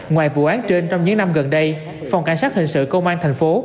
ngoài vụ án trên trong những năm gần đây phòng cảnh sát hình sự công an thành phố